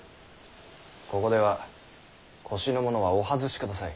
ここでは腰のものはお外しください。